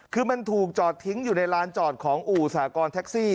คือมันถูกจอดทิ้งอยู่ในลานจอดของอู่สากรณ์แท็กซี่